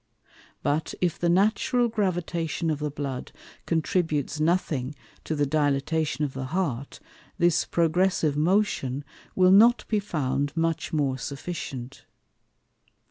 But, if the natural Gravitation of the Blood contributes nothing to the Dilatation of the Heart, this progressive Motion will not be found much more sufficient.